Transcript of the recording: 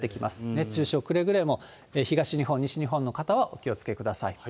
熱中症、くれぐれも東日本、西日本の方はお気をつけください。